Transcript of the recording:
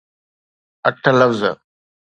اٺ لفظ.